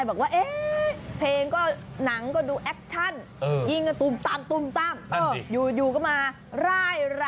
อย่างนั้นจริงจริงจริงจริงไม่เข้าบรรยากาศอ่ะนัง